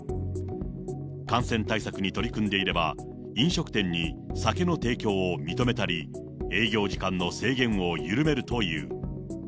感染対策に取り組んでいれば、飲食店に酒の提供を認めたり、営業時間の制限を緩めるという。